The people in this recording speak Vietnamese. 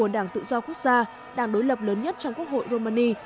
đảng đối lập lớn nhất trong quốc hội romani